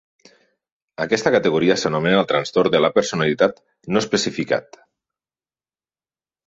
Aquesta categoria s'anomena trastorn de la personalitat no especificat.